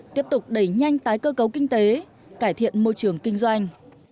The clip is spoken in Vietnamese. tiếp tục đẩy nhanh tái cơ cấu kinh tế cải thiện môi trường kinh doanh